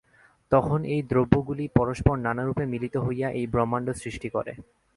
তখন এই দ্রব্যগুলি পরস্পর নানারূপে মিলিত হইয়া এই ব্রহ্মাণ্ড সৃষ্টি করে।